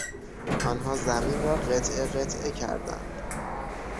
آنها زمین را قطعه قطعه کردند.